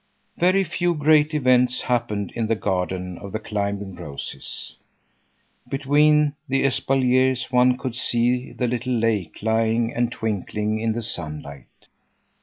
Very few great events happened in the garden of the climbing roses. Between the espaliers one could see the little lake lying and twinkling in the sunlight.